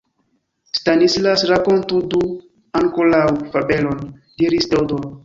Stanislas, rakontu do ankoraŭ fabelon! diris Teodoro.